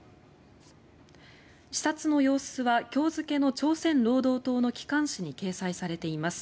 視察の様子は今日付の朝鮮労働党の機関紙に掲載されています。